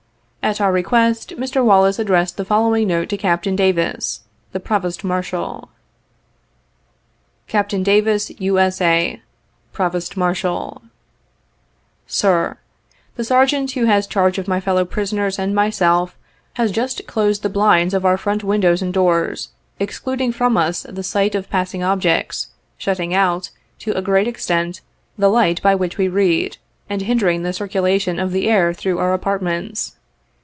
At our request, Mr. Wallis addressed the following note to Capt. Davis, the Provost Marshal : "Capt. DAVIS, U. S. A., Provost Marshal : "Sir: The Sergeant who has charge of my fellow prisoners and myself, has just closed the blinds of our front windows and doors, excluding us from the sight of passing objects, shutting out, to a great extent, the light by which we read, and hindering the circula tion of the air through our apartments.